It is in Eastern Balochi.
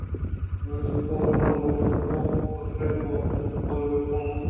پمشکا آئی ءَ نہ لوٹیتگ اَت کہ کسے اے پوسٹ ءِ سراکار بہ کنت